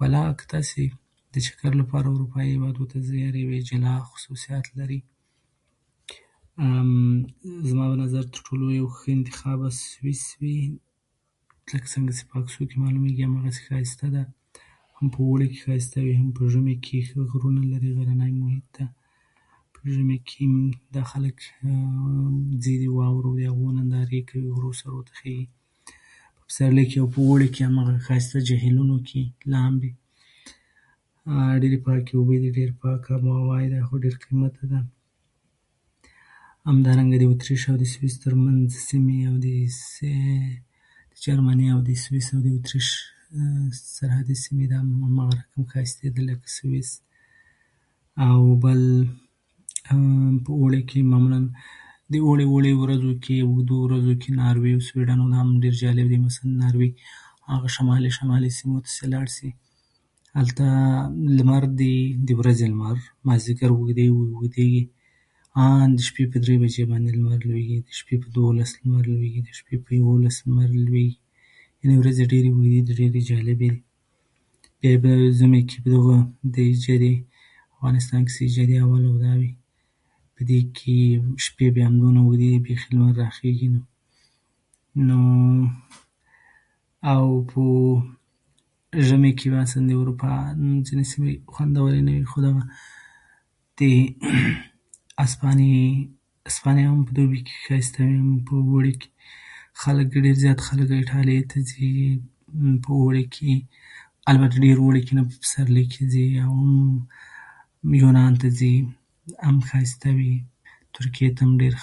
ولا که تاسو د چکر لپاره اروپايي هېواد ته ځئ، هر یو یې جلا خصوصيات لري، زما په نظر تر ټولو یو ښه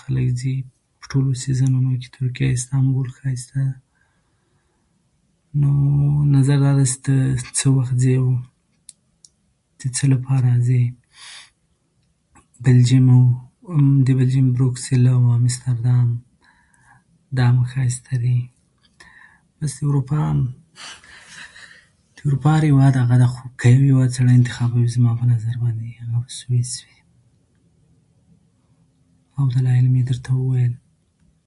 انتخاب به سویس وي، ځکه څنګه چې په عکسو کې معلومېږي، هماغسې ښایسته ده. هم په اوړي کې ښایسته وي او هم په ژمي کې ښایسته غرونه لري. غرنی محيط ده. ژمي کې دا خلک ځي د واورو د هغوی نندارې کوي او د غرو سرو ته خيږي. پسرلي او اوړي کې هماغه ښایسته جهيلونو کې لامبي. ډېرې پاکې اوبه یې دي. ډېره پاکه اب و هوا یې ده. دا خو ډېر قیمته ده. همدارنګه د اتریش او سویس تر منځ سیمې او د جرمني سویس او د اتریش سرحدي سیمې هم ښایسته دي لکه سویس او بل د اوړي په ورځو کې معمولا د اوړي په اوږدو ورځو کې ناروي او سويډن هم جالب دي. مثلا د ناروي هغه شمالي شمالي سیمو ته چې لاړ شې هلته لمر دی د ورځې لمر، مازیګر اوږدېږي. آن د شپې په درې بجې لمر لوېږي، د شپې په دوولس بجې لمر لوېږي، د شپې په یوولس بجې لمر لوېږي، یعنې ورځې ډېرې اوږدې دي، ډېرې جالبې دي. په ژمي کې د جدي په افغانستان کې د جدي اوله او دغه وي په دې کې شپې هم بیا همدومره اوږدې دي، بيخي لمر راخيږي نه او په ژمي کې مثلا د اروپا ځينې سیمې خوندورې نه وي. هسپانيه هم په دوبي کې ښایسته وي هم په اوړي کې. خلک ډېر زيات خلک ايټاليې ته ځي په اوړي کې. البته په اوړي کې ډېر نه ځي په پسرلي کې ځي. يونان ته ځي، هغه هم ښایسته وي. ترکيې ته هم ډېر خلک ځي، په ټولو سیزنونو کې ترکيه ښایسته وي، ایستانبول ښایسته ده، نظر دا ده چې ته څه وخت ځې او څه لپاره ځې، بلجيم او د بلجيم بروکسل او امستردام هم ښایسته دي، دغسې د اروپا هر هېواد اغه ده، خو قوي انتخاب سړی انتخابوي زما په نظر باندې هغه به سویس وي او دلایل مې درته وویل.